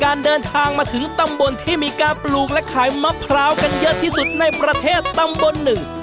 เดินทางมาถึงตำบลที่มีการปลูกและขายมะพร้าวกันเยอะที่สุดในประเทศตำบลหนึ่ง